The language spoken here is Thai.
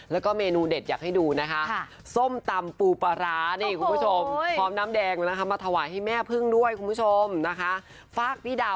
แล้วก็เมนูเด็ดอยากให้ดูนะคะส้มตำปูประลา